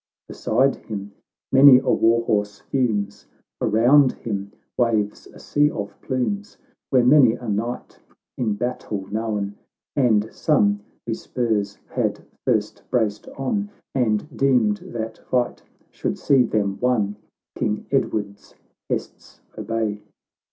Beside him many a war horse fumes, Around him waves a sea of plumes, "Where many a knight in battle known, And some who spurs had first braced on, And deemed that fight should see them won, King Edward's hests obey.